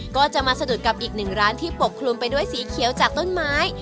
ก็จะมาสะดุดกับอีกหนึ่งร้านที่ปกคลุมไปด้วยสีเขียวจากต้นไม้